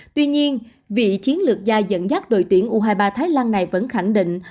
tuy nhiên vị chiến lược gia dẫn dắt đội tuyển u hai mươi ba thái lan này vẫn khẳng định